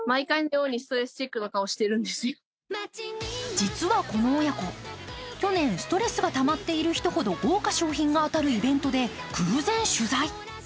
実はこの親子、去年ストレスがたまっている人ほど豪華賞品が当たるイベントで偶然取材。